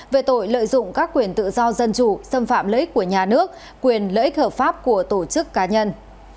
về tội lợi dụng các quyền tự do dân chủ xâm phạm lợi ích của nhà nước quyền lợi ích hợp pháp của tổ chức cá nhân